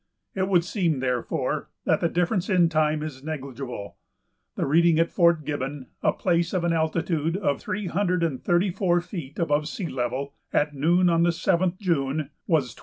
It would seem, therefore, that the difference in time is negligible. The reading at Fort Gibbon, a place of an altitude of three hundred and thirty four feet above sea level, at noon on the 7th June, was 29.